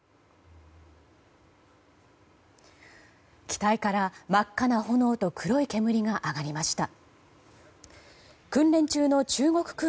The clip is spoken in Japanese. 機体から真っ赤な炎と黒い煙が上がりました。